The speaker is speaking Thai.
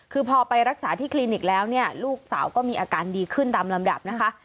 คือพอไปรักษาที่คลินิกแล้วเนี่ยลูกสาวก็มีอาการดีขึ้นตามลำดับนะคะ